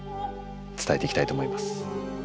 伝えていきたいと思います。